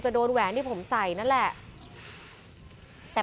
โชว์มือ